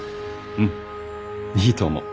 うんいいと思う。